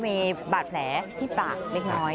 มีบาดแผลที่ปากเล็กน้อย